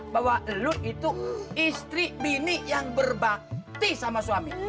bahwa lu itu istri bini yang berbakti sama suami